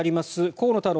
河野太郎